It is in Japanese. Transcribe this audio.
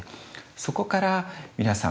そこから皆さん